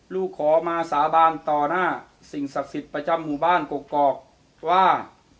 ลูกขอมาสาบานต่อหน้าสิ่งศักดิ์สิทธิ์ประจำหมู่บ้านกกอกว่า